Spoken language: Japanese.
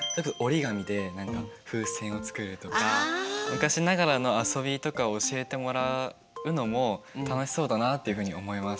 昔ながらの遊びとかを教えてもらうのも楽しそうだなっていうふうに思います。